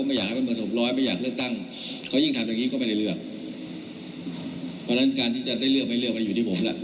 เพราะฉะนั้นการที่จะได้เลือกไม่เลือกมันอยู่ที่ผมแหละ